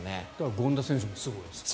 権田選手もすごいですよね